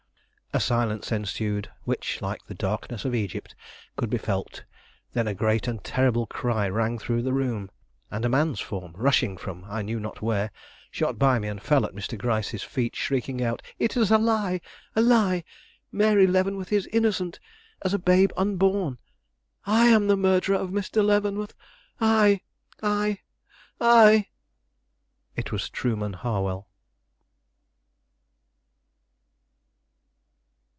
A silence ensued which, like the darkness of Egypt, could be felt; then a great and terrible cry rang through the room, and a man's form, rushing from I knew not where, shot by me and fell at Mr. Gryce's feet shrieking out: "It is a lie! a lie! Mary Leavenworth is innocent as a babe unborn. I am the murderer of Mr. Leavenworth. I! I! I!" It was Trueman Harwell.